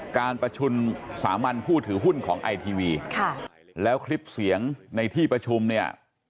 การประชุมสามัญผู้ถือหุ้นของไอทีวีค่ะแล้วคลิปเสียงในที่ประชุมเนี่ย